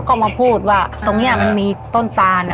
ก็กลับมาตั้งหลักที่บ้าน